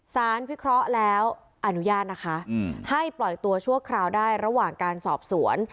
วิเคราะห์แล้วอนุญาตนะคะให้ปล่อยตัวชั่วคราวได้ระหว่างการสอบสวน